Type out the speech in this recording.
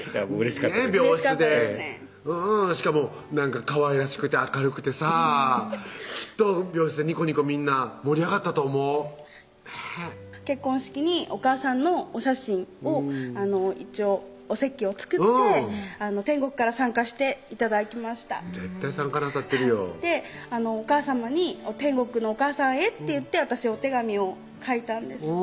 病室でしかもかわいらしくて明るくてさぁきっと病室でニコニコみんな盛り上がったと想うねぇ結婚式におかあさんのお写真を一応お席を作って天国から参加して頂きました絶対参加なさってるよおかあさまに「天国のおかあさんへ」っていって私お手紙を書いたんです